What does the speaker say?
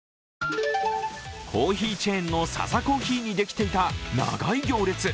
コーヒーチェーンのサザコーヒーにできていた長い行列。